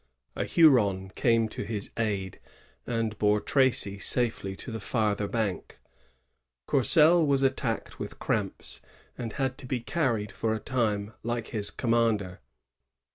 A Huron came to his aid, and bore Tracy safely to the farther bank. Courcelle was attacked with cramps, and had to be carried for a time like his commander.